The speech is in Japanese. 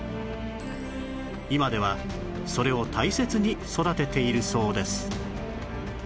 今ではそれを大切に育てているそうです